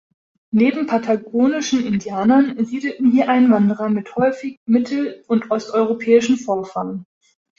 Neben patagonischen Indianern siedelten hier Einwanderer mit häufig mittel- und osteuropäischen Vorfahren.